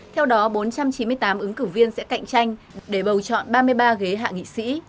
theo đó bốn trăm chín mươi tám ứng cử viên sẽ cạnh tranh để bầu chọn ba mươi ba ghế hạ nghị sĩ